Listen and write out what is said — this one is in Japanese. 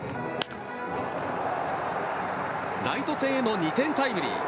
ライト線への２点タイムリー。